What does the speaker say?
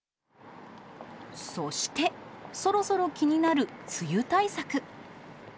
そして、そろそろ気になる梅雨対策。